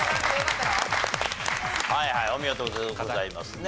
はいはいお見事でございますね。